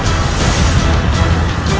aku akan mencari dia